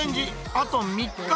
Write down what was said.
あと３日。